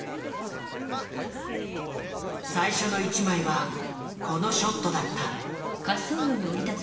最初の１枚はこのショットだった。